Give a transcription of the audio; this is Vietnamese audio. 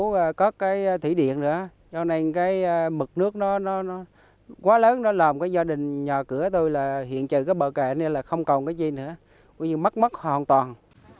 do cơn mưa quá lớn cất thủy điện mực nước quá lớn làm cho gia đình nhòa cửa tôi hiện trừ bờ kè không còn gì nữa mất mất hoàn toàn